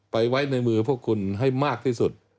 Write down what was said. ไว้ในมือพวกคุณให้มากที่สุด